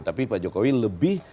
tapi pak jokowi lebih